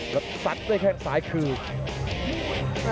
แล้วสัดด้วยแค่งสายคืบ